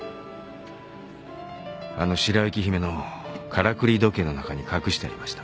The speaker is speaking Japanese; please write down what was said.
あの白雪姫のからくり時計の中に隠してありました。